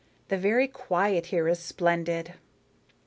The very quiet here is splendid."